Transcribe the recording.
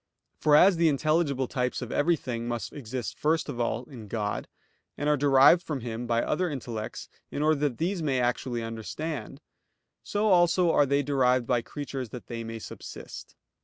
For as the intelligible types of everything exist first of all in God, and are derived from Him by other intellects in order that these may actually understand; so also are they derived by creatures that they may subsist.